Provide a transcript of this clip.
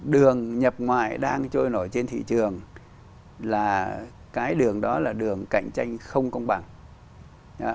đường nhập ngoại đang trôi nổi trên thị trường là cái đường đó là đường cạnh tranh không công bằng